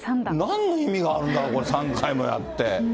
なんの意味があるんだろう、これ３回もやって。